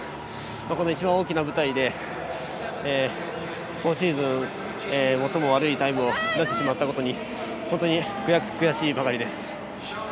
この一番大きな舞台で今シーズン最も悪いタイムを出してしまったことに本当に悔しいばかりです。